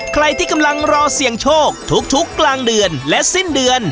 ใครที่กำลังรอเสี่ยงโชคทุกกลางเดือนและสิ้นเดือน